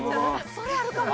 それあるかも！